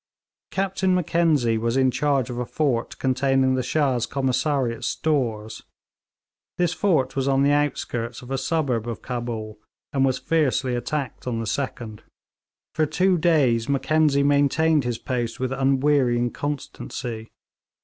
Captain Mackenzie was in charge of a fort containing the Shah's commissariat stores; this fort was on the outskirts of a suburb of Cabul, and was fiercely attacked on the 2d. For two days Mackenzie maintained his post with unwearying constancy.